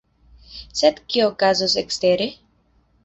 Sed kio okazos ekstere?